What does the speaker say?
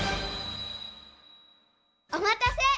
お待たせ！